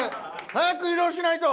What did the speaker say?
早く移動しないと。